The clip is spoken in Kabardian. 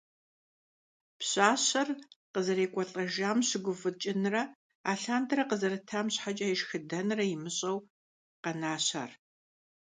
Пщащэр къызэрекӀуэлӀэжам щыгуфӀыкӀынрэ алъандэрэ къызэрытам щхьэкӀэ ешхыдэнрэ имыщӀэу, къэнащ ар.